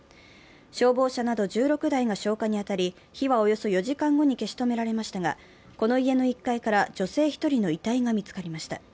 消防車など１６台が消火に当たり、火はおよそ４時間後に消し止められましたが、この家の１階から女性１人の遺体が見つかりました。